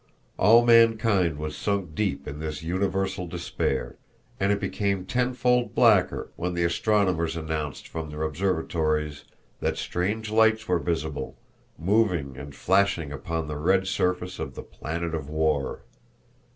All mankind was sunk deep in this universal despair, and it became tenfold blacker when the astronomers announced from their observatories that strange lights were visible, moving and flashing upon the red surface of the Planet of War.